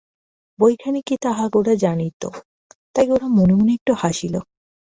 বইখানি কী তাহা গোরা জানিত, তাই গোরা মনে মনে একটু হাসিল।